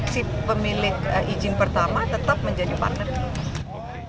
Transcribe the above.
si pemilik izin pertama tetap menjadi partner indonesia